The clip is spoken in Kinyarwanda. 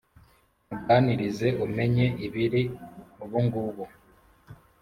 Nkuganirize umenye ibiri ubungubu